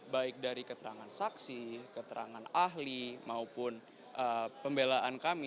baik dari keterangan saksi keterangan ahli maupun pembelaan kami